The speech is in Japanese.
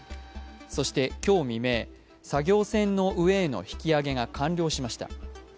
そして、今日未明、作業船の上への引き揚げが完了しました。